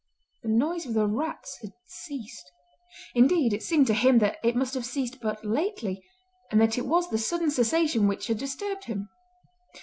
The noise of the rats had ceased. Indeed it seemed to him that it must have ceased but lately and that it was the sudden cessation which had disturbed him.